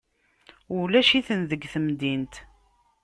Ulac-iten deg temdint.